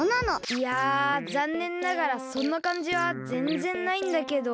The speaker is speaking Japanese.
いやざんねんながらそんなかんじはぜんぜんないんだけど。